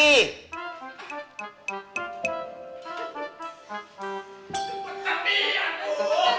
dupet tapi ya pok